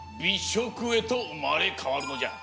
しょくへとうまれかわるのじゃ。